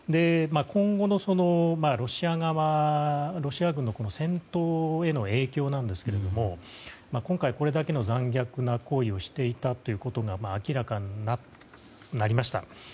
今後のロシア軍の戦闘への影響なんですが今回これだけの残虐な行為をしていたということが明らかになりました。